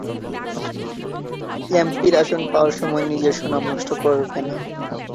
এমপির আসন পাওয়ার সময় নিজের সুনাম নষ্ট করবে না।